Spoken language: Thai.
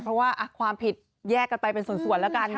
เพราะว่าความผิดแยกกันไปเป็นส่วนแล้วกัน